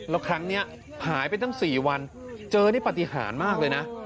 แล้วครั้งนี้หายไปตั้ง๔วันเจอนี่ปฏิหารมากเลยนะ